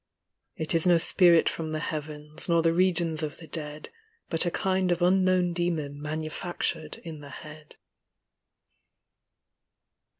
It is no spirit from the heavens, Nor the regions of the dead ; But a kind of unknown demon Manufactured in the head.